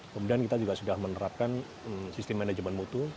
kemudian kita juga sudah menerapkan sistem manajemen mutu